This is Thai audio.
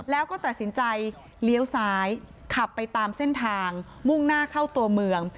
แล้วก็ตัดสินใจเลี้ยวซ้ายขับไปตามเส้นทางมุ่งหน้าเข้าตัวเมือง